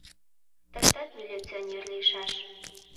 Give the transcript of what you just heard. Тыштат милиционер лийшаш.